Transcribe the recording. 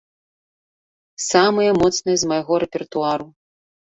Самыя моцныя з майго рэпертуару.